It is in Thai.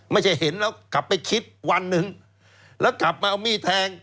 ไม่ใช่เห็นแล้วกลับไปคิดวันหนึ่งแล้วกลับมาเอามีดแทง